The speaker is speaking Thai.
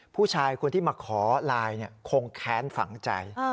ผู้ชายคนที่มาขอไลน์คงแค้นฝังใจ